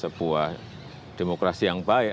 sebuah demokrasi yang baik